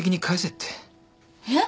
えっ？